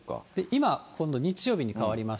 今、今度日曜日に変わりました。